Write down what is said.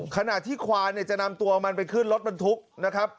ขณะที่ควานเนี่ยจะนำตัวมันไปขึ้นรถบรรทุกนะครับ